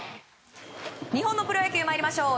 日本のプロ野球にまいりましょう。